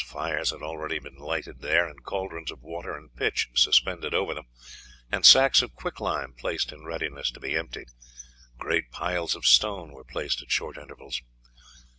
Fires had already been lighted there and cauldrons of water and pitch suspended over them, and sacks of quicklime placed in readiness to be emptied; great piles of stone were placed at short intervals.